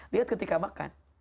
lihat ketika makan